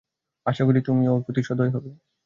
আশা করি তুমি ওর প্রতি সদয় হবে।